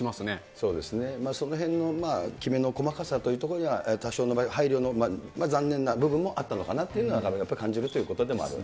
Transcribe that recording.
そうですね、そのへんのきめの細かさというところには、多少の配慮の残念な部分もあったのかなとやっぱり感じるということではある。